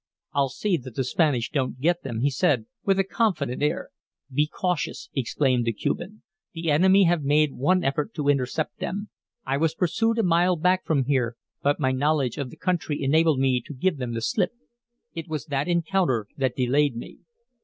"I'll see that the Spanish don't get them," he said, with a confident air. "Be cautious," exclaimed the Cuban. "The enemy have made one effort to intercept them. I was pursued a mile back from here, but my knowledge of the country enabled me to give them the slip. It was that encounter that delayed me."